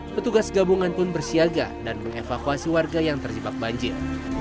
petugas gabungan pun bersiaga dan mengevakuasi warga yang terjebak banjir